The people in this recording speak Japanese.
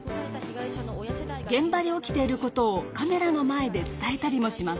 現場で起きていることをカメラの前で伝えたりもします。